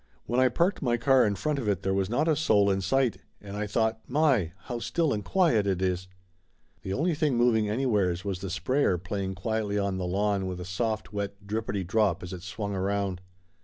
When I parked my car in front of it there was not a soul in sight, and I thought my ! how still and quiet it is ! The only thing moving anywheres was the sprayer playing quietly on the lawn with a soft, wet, drippity drop as it swung around.